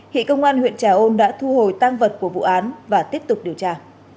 hị công an huyện trà ôn đã thu hồi tang vật của vụ án và tiếp tục điều tra